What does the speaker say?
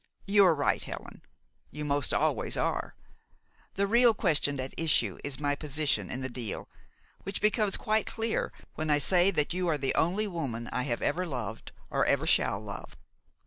You are right, Helen you most always are. The real question at issue is my position in the deal, which becomes quite clear when I say that you are the only woman I have ever loved or ever shall love.